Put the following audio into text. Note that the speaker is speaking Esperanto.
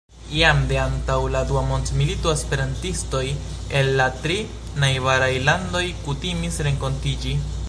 Jam de antaŭ la dua mondmilito, esperantistoj el la tri najbaraj landoj kutimis renkontiĝi.